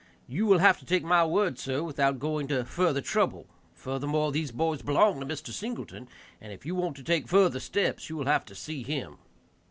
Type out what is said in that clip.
You will have to take my word, sir, without going to further trouble; furthermore, these boys belong to Mr. Singleton, and if you want to take further steps you will have to see him."